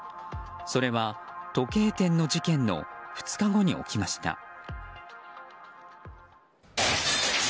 それは、時計店の事件の２日後に起きました。